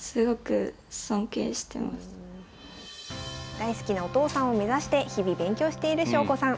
大好きなお父さんを目指して日々勉強している翔子さん。